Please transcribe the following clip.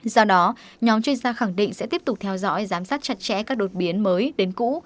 do đó nhóm chuyên gia khẳng định sẽ tiếp tục theo dõi giám sát chặt chẽ các đột biến mới đến cũ